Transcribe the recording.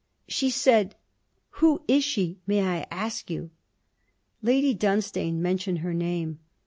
'She said: who is she, may I ask you?' Lady Dunstane mentioned her name.